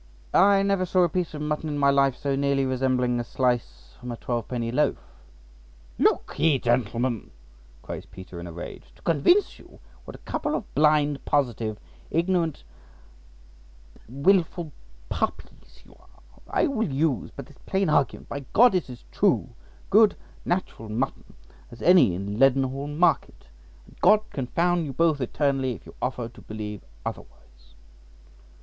"I never saw a piece of mutton in my life so nearly resembling a slice from a twelve penny loaf." "Look ye, gentlemen," cries Peter in a rage, "to convince you what a couple of blind, positive, ignorant, wilful puppies you are, I will use but this plain argument; by G—, it is true, good, natural mutton as any in Leadenhall Market; and G— confound you both eternally if you offer to believe otherwise."